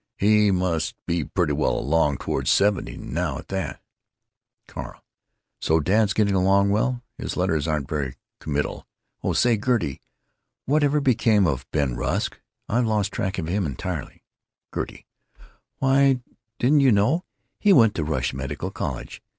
He must be pretty well along toward seventy now, at that." Carl: "So dad's getting along well. His letters aren't very committal.... Oh, say, Gertie, what ever became of Ben Rusk? I've lost track of him entirely." Gertie: "Why, didn't you know? He went to Rush Medical College.